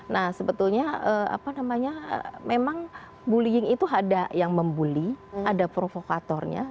nah sebetulnya apa namanya memang bullying itu ada yang membuli ada provokatornya